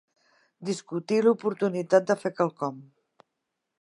Discutir l'oportunitat de fer quelcom.